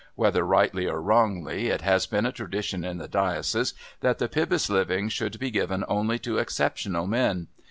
Whether rightly or wrongly, it has been a tradition in the Diocese that the Pybus living should be given only to exceptional men.